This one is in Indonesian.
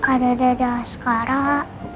ada dadah sekarang